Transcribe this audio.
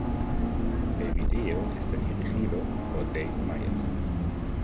El video está dirigido por Dave Meyers.